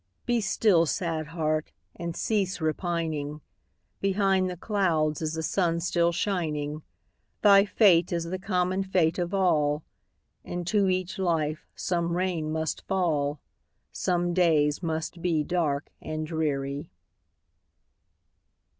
Be still, sad heart! and cease repining; Behind the clouds is the sun still shining; Thy fate is the common fate of all, Into each life some rain must fall, Some days must be dark and dreary.